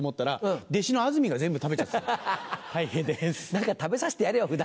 何か食べさせてやれよ普段。